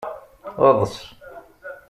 Eḍs.